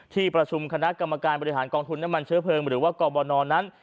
ที่ประชุมคณะกรรมการบริหารกองทุนน้ำมันเชื้อเพลิงหรือว่ากรบนนั้น